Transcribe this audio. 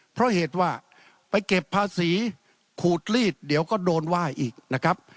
เพราะเหตุว่าไปเก็บภาษีขูดลีดเดี๋ยวก็โดนไหว้อีกนะครับ